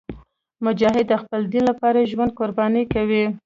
مجاهد د خپل دین لپاره ژوند قرباني کوي.